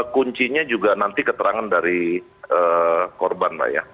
kuncinya juga nanti keterangan dari korban pak ya